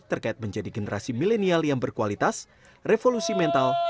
terkait menjadi generasi milenial yang berkualitas revolusi mental